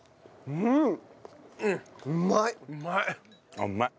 うまい。